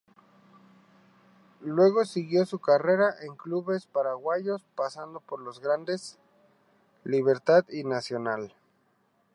Luego siguió su carrera en clubes paraguayos, pasando por los grandes Libertad y Nacional.